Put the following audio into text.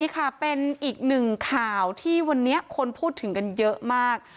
ค่ะเป็นอีกหนึ่งข่าวที่วันนี้คนพูดถึงกันเยอะมาก